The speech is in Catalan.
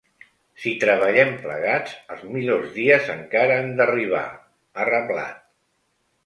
Si treballem plegats, els millors dies encara han d’arribar, ha reblat.